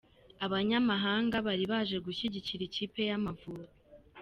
Abanyarwanda bari baje gushyigikira ikipe y’Amavubi.